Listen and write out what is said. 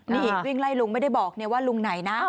นี่วิ่งไล่ลุงไม่ได้บอกว่าลุงไหนนะ